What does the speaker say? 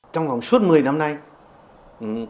trong khoảng suốt một mươi năm nay các nhà khổ cổ học đã đánh động